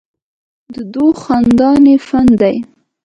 ددوي خانداني فن دے